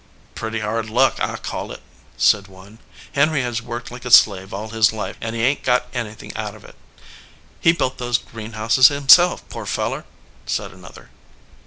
"Pretty hard luck, f call it," said one. "Henry has worked like a slave all his life and he ain t got any thing out of it. He built those greenhouses him self, poor feller!" said another.